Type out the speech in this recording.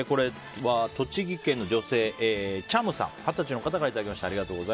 栃木県の女性、二十歳の方からいただきました。